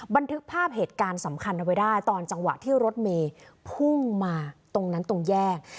บันทึกภาพเหตุการณ์สำคัญเอาไว้ได้ตอนจังหวะที่รถเมย์พุ่งมาตรงนั้นตรงแยก